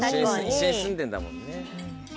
一緒に住んでんだもんね。